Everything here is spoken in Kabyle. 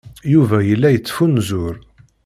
Yuba yella yettfunzur.